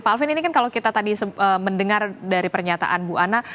pak alvin ini kan kalau kita tadi mendengar dari pernyataan bu anna